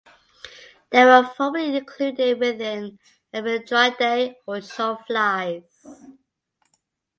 They were formerly included within the Ephydridae or shore flies.